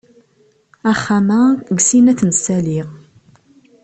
Axxam-a deg sin ad t-nsali.